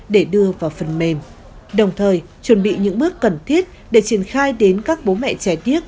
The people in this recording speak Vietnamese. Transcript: để đưa vào phần mềm đồng thời chuẩn bị những bước cần thiết để triển khai đến các bố mẹ trẻ điếc